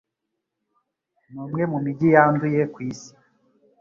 Ni umwe mu mijyi yanduye ku isi.